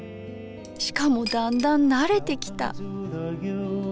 しかもだんだん慣れてきた。